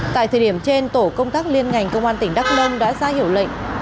tại thời điểm trên tổ công tác liên ngành công an tỉnh đắk nông đã ra hiệu lệnh